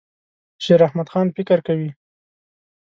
شیراحمدخان فکر کوي.